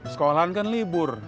sekolah kan libur